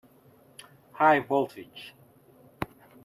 High voltage!